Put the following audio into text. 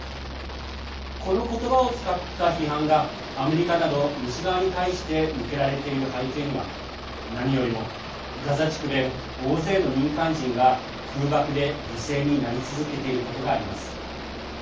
この言葉を使った批判がアメリカなど西側に対して向けられている背景には何よりも、ガザ地区で大勢の民間人が空爆で犠牲になり続けていることがあります。